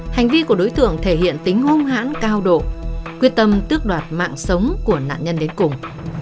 hành vi của đối tượng thể hiện tính hung hãn cao độ quyết tâm tước đoạt mạng sống của nạn nhân đến cùng